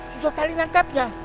susah kali nangkepnya